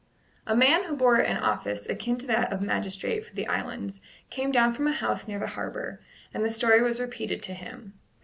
A man who bore an office akin to that of magistrate for the islands came down from a house near the harbour, and the story was repeated to him.